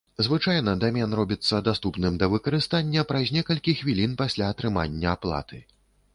Звычайна дамен робіцца даступным да выкарыстання праз некалькі хвілін пасля атрымання аплаты.